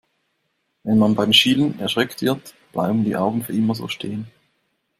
Wenn man beim Schielen erschreckt wird, bleiben die Augen für immer so stehen.